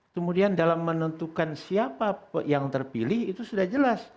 kemudian dalam menentukan siapa yang terpilih itu sudah jelas